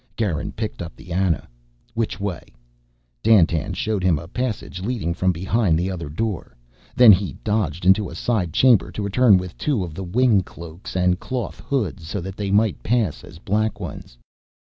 Garin picked up the Ana. "Which way?" Dandtan showed him a passage leading from behind the other door. Then he dodged into a side chamber to return with two of the wing cloaks and cloth hoods, so that they might pass as Black Ones.